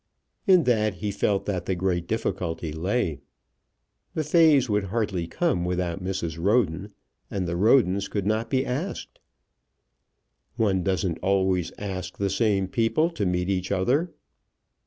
In that he felt that the great difficulty lay. The Fays would hardly come without Mrs. Roden, and the Rodens could not be asked. "One doesn't always ask the same people to meet each other."